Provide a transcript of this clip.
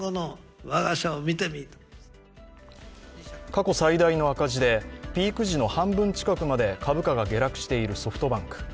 過去最大の赤字でピーク時の半分近くまで株価が下落しているソフトバンク。